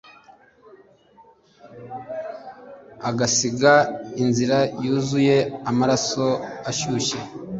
agasiga inzira yuzuye amaraso ashyushye